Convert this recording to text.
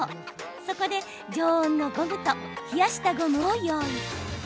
そこで常温のゴムと冷やしたゴムを用意。